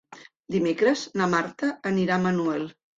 Dimecres na Marta anirà a Manuel.